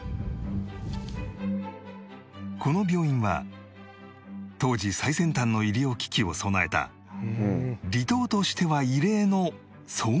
この病院は当時最先端の医療機器を備えた離島としては異例の総合病院だった